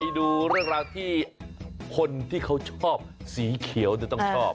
ดูเรื่องราวที่คนที่เขาชอบสีเขียวต้องชอบ